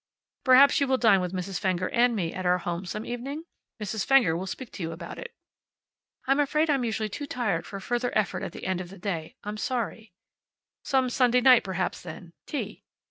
"Perhaps you will dine with Mrs. Fenger and me at our home some evening? Mrs. Fenger will speak to you about it." "I'm afraid I'm usually too tired for further effort at the end of the day. I'm sorry " "Some Sunday night perhaps, then. Tea."